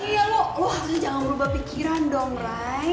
iya lo harusnya jangan berubah pikiran dong raya